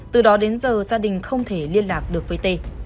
từ đó đến giờ gia đình không thể liên lạc được với tê